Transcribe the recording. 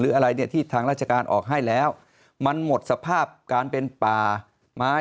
อะไรเนี่ยที่ทางราชการออกให้แล้วมันหมดสภาพการเป็นป่าไม้